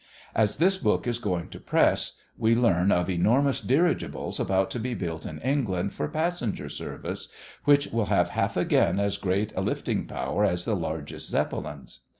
As this book is going to press, we learn of enormous dirigibles about to be built in England for passenger service, which will have half again as great a lifting power as the largest Zeppelins.